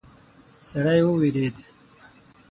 سړی وویرید.